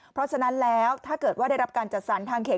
เพราะฉะนั้นแล้วถ้าเกิดว่าได้รับการจัดสรรทางเขต